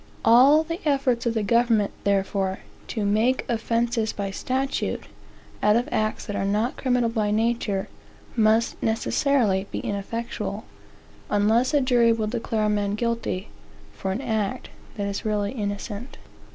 All the efforts of the government, therefore, to "make offences by statute," out of acts that are not criminal by nature, must necessarily be ineffectual, unless a jury will declare a man "guilty" for an act that is really innocent.